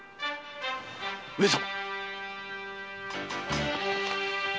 上様！